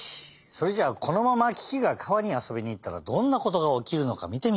それじゃこのままキキが川にあそびにいったらどんなことがおきるのかみてみよう。